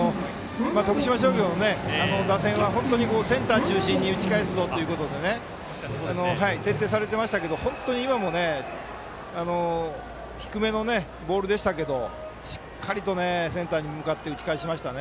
徳島商業の打線は本当にセンター中心に打ち返すぞというところで徹底されていましたけど本当に今も低めのボールでしたけどしっかりとセンターに向かって打ち返しましたね。